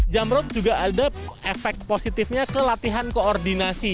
jump rope juga ada efek positifnya ke latihan koordinasi